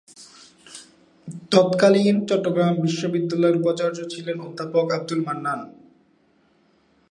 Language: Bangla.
তৎকালীন চট্টগ্রাম বিশ্ববিদ্যালয়ের উপাচার্য ছিলেন অধ্যাপক আবদুল মান্নান।